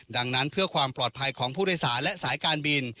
ดังนั้นเพื่อความปลอดภัยของผู้โดยสารและสายการบิน